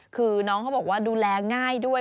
คือน้องเขาบอกว่าดูแลง่ายด้วย